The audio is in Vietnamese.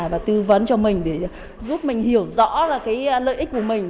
và tư vấn cho mình để giúp mình hiểu rõ lợi ích của mình